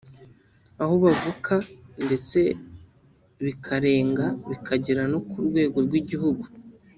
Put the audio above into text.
aho bavuka ndetse bikarenga bikagera no ku rwego rw’igihugu